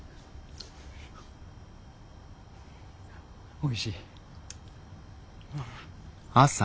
おいしい。